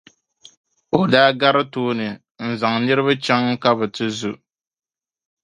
O daa gari tooni zaŋ niriba ka bɛ chaŋ ti zu.